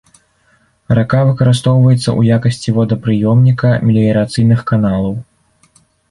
Рака выкарыстоўваецца ў якасці водапрыёмніка меліярацыйных каналаў.